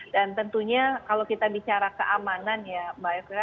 dan tentunya kalau kita bicara keamanan ya mbak yudhira